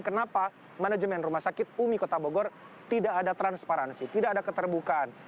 kenapa manajemen rumah sakit umi kota bogor tidak ada transparansi tidak ada keterbukaan